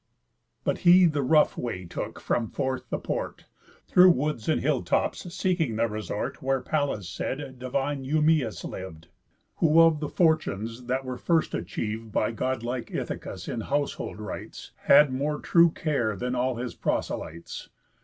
But he the rough way took from forth the port, Through woods and hill tops, seeking the resort Where Pallas said divine Eumæus liv'd; Who of the fortunes, that were first achiev'd By God like Ithacus in household rights, Had more true care than all his prosylites.